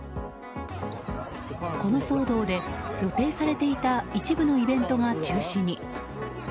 この騒動で予定されていた一部のイベントが中止に。